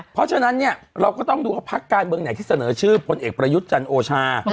เพราะฉะนั้นเนี่ยเราก็ต้องดูว่าพักการเมืองไหนที่เสนอชื่อพลเอกประยุทธ์จันทร์โอชา